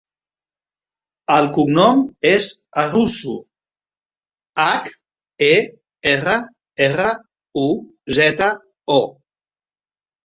El cognom és Herruzo: hac, e, erra, erra, u, zeta, o.